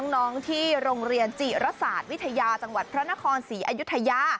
น้องที่โรงเรียนจิระสาทวิทยาจังหวัดพระนคร๔อายุทยา